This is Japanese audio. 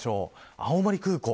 青森空港。